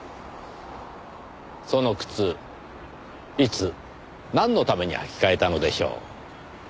その靴いつなんのために履き替えたのでしょう？